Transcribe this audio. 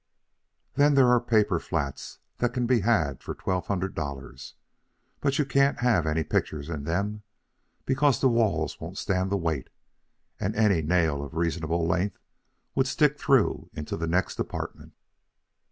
Then there are paper flats that can be had for twelve hundred dollars, but you can't have any pictures in them, because the walls won't stand the weight, and any nail of reasonable length would stick through into the next apartment.